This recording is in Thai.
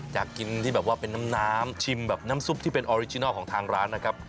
อยากกินที่แบบว่าเป็นน้ำน้ำชิมแบบน้ำซุปที่เป็นออริจินัลของทางร้านนะครับ